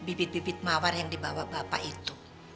gak bisa liat bibit bibit mawar yang dibawa bapak itu